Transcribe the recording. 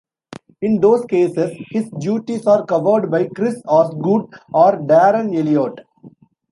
In those cases, his duties are covered by Chris Osgood or Darren Eliot.